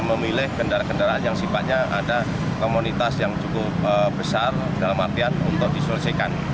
memilih kendaraan kendaraan yang sifatnya ada komunitas yang cukup besar dalam artian untuk diselesaikan